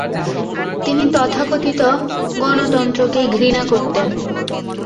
তিনি তথাকথিত গণতন্ত্রকে ঘৃণা করতেন।